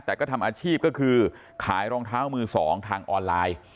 แต่ก็ทำอาชีพก็คือขายรองเท้ามือสองทางออนไลน์